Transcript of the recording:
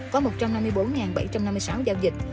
có một trăm năm mươi bốn bảy trăm năm mươi sáu giao dịch